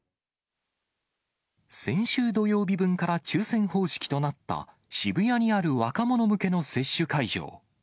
先週土曜日分から抽せん方式となった渋谷にある若者向けの接種会場。